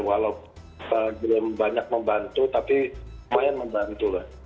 walau belum banyak membantu tapi lumayan membantu lah